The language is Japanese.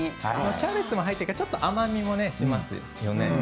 キャベツが入ってるからちょっと甘みもしますよね。